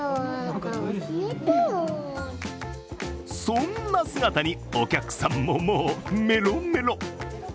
そんな姿にお客さんももうメロメロ。